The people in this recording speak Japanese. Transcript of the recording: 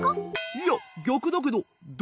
いやぎゃくだけど。